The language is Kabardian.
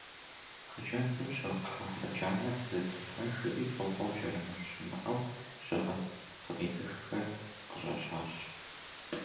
Хъыджэбзым щыгъ пхъафэ джанэр зытригъэжри фӀыгъуэу кӀэрымылъ щымыӀэу щыгъын зыкъизыххэр къыщӀэщащ.